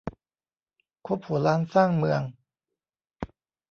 คบหัวล้านสร้างเมือง